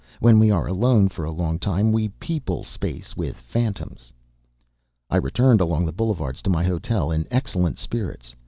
When we are alone for a long time we people space with phantoms. I returned along the boulevards to my hotel in excellent spirits.